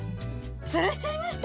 つるしちゃいました？